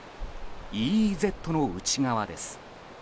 ＥＥＺの内側です。